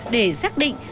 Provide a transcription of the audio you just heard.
để xác định